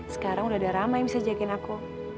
sekarang udah ada ramai yang bisa jagain aku